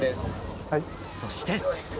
そして。